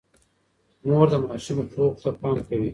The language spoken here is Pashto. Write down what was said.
مور د ماشومانو خوب ته پام کوي.